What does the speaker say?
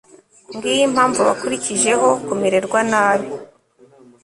ngiyo impamvu bakurijeho kumererwa nabi